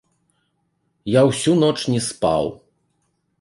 Я ўсю ноч не спаў.